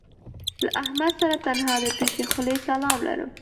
له احمد سره تنها د تشې خولې سلام لرم